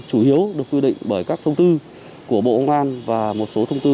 chủ yếu được quy định bởi các thông tư của bộ ngoan và một số thông tư